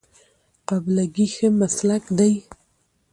قابله ګي ښه مسلک دی